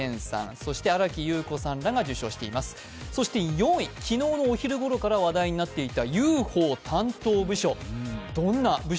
そして４位、昨日のお昼ごろから話題になっていたＵＦＯ担当部署。